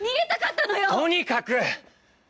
とにかく！